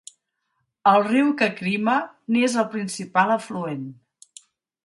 El riu Kakrima n'és el principal afluent.